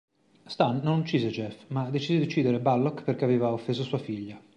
Stan non uccise Jeff, ma decise di uccidere Bullock perché aveva offeso sua figlia.